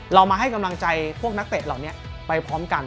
เรามาให้กำลังใจพวกนักเตะเหล่านี้ไปพร้อมกัน